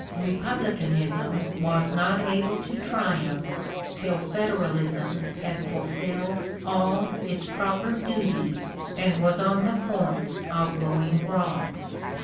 Republicanism was not able to triumph till Federalism had fulfilled all its proper duty and was on the point of going wrong.